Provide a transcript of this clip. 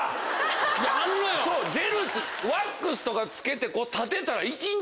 あんのよ！とかつけて立てたら。